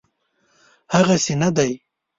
هغسي نه دی.